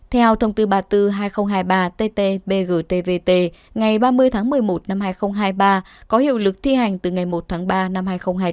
theo thông tư ba mươi bốn hai nghìn hai mươi ba tt bgtvt ngày ba mươi tháng một mươi một năm hai nghìn hai mươi ba có hiệu lực thi hành từ ngày một tháng ba năm hai nghìn hai mươi bốn